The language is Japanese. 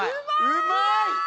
うまい！